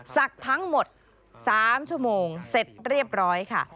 ศักดิ์ทั้งหมด๓ชั่วโมงเสร็จเรียบร้อยค่ะ